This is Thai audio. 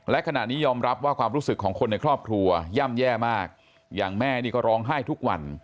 และขณะนี้ยอมรับว่าความรู้สึกของคนในครอบครัวย่ำแย่มากอย่างแม่นี่ก็ร้องไห้ทุกวัน